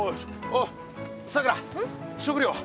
おいさくら食料は？